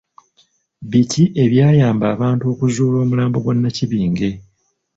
Biki ebyayamba abantu okuzuula omulambo gwa Nnakibinge?